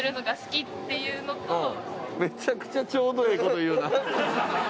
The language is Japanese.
めちゃくちゃちょうどええ事言うなあ。